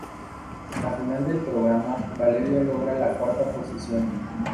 En la final del programa Valerio logra la cuarta posición.